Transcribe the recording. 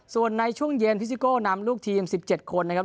ส่วนในช่วงเย็นพิซิโก้นำลูกทีม๑๗คนนะครับ